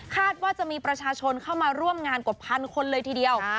ว่าจะมีประชาชนเข้ามาร่วมงานกว่าพันคนเลยทีเดียว